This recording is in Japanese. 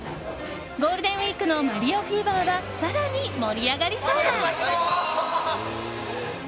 ゴールデンウィークのマリオフィーバーは更に盛り上がりそうだ！